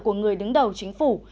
của người đứng đầu chính phủ